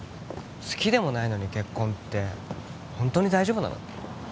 好きでもないのに結婚ってホントに大丈夫なの？